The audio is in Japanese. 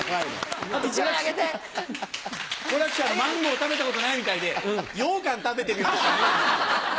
食べたことないみたいでようかん食べてるような。